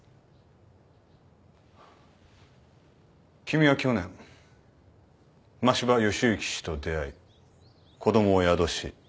君は去年真柴義之氏と出会い子供を宿し結婚した。